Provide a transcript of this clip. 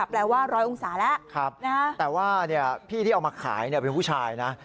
แปลว่าร้อยองศาแล้วครับแต่ว่าพี่ที่เอามาขายเนี่ยเป็นผู้ชายนะ